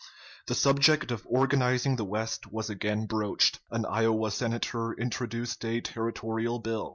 The subject of organizing the West was again broached; an Iowa Senator introduced a territorial bill.